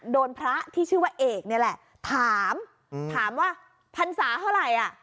พระที่ชื่อว่าเอกนี่แหละถามถามว่าพรรษาเท่าไหร่อ่ะ